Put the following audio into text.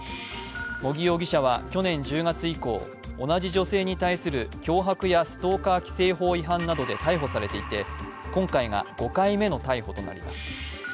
茂木容疑者は去年１０月以降同じ女性に対する脅迫やストーカー規制法違反などで逮捕されていて今回が５回目の逮捕となります。